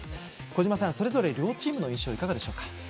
小島さん、それぞれ両チームの印象はいかがでしょうか？